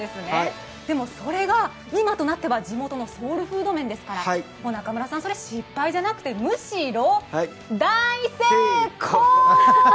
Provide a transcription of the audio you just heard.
それが今となっては地元のソウルフード麺ですから中村さん、それ失敗じゃなくてむしろ大成功！